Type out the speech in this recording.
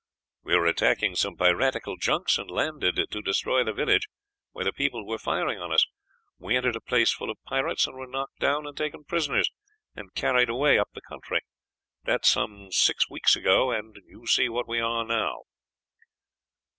"We were attacking some piratical junks, and landed to destroy the village where the people were firing on us. We entered a place full of pirates, and were knocked down and taken prisoners and carried away up the country; that is six weeks ago, and you see what we are now."